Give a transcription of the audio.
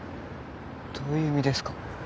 どういう意味ですか？